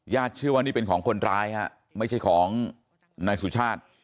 เชื่อว่านี่เป็นของคนร้ายฮะไม่ใช่ของนายสุชาติ